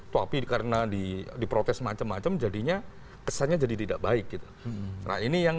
tapi karena di diprotes macam macam jadinya kesannya jadi tidak baik gitu nah ini yang